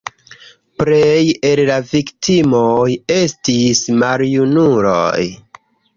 Plej el la viktimoj estis maljunuloj.